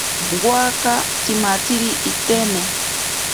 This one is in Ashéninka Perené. Waaka tsimatzi itene.